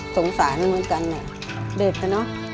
สงสารมันเหมือนกันเด็กนะเนอะ